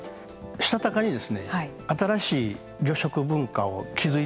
したたかにですね新しい魚食文化を築いていくぐらいのですね